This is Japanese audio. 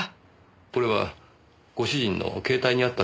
これはご主人の携帯にあった写真です。